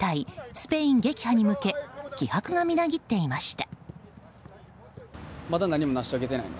スペイン撃破に向け気迫がみなぎっていました。